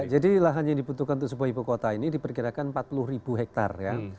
jadi lahan yang dibutuhkan untuk sebuah ibu kota ini diperkirakan empat puluh ribu hektar ya